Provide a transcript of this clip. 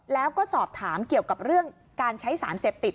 แล้วก็สอบถามเกี่ยวกับเรื่องการใช้สารเสพติด